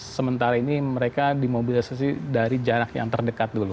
sementara ini mereka dimobilisasi dari jarak yang terdekat dulu